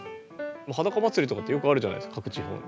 裸祭りとかってよくあるじゃないですか各地方に。